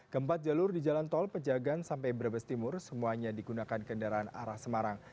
keempat jalur di jalan tol pejagan sampai brebes timur semuanya digunakan kendaraan arah semarang